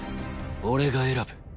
俺が選ぶ。